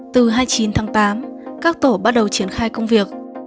từ hai mươi chín tháng tám các tổ bắt đầu triển khai công việc